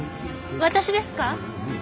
私ですか？